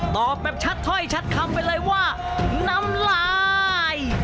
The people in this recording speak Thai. ตอบแบบชัดถ้อยชัดคำไปเลยว่าน้ำลาย